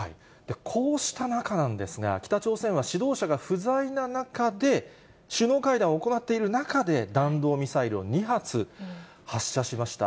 こうした中なんですが、北朝鮮は指導者が不在な中で、首脳会談を行っている中で、弾道ミサイルを２発発射しました。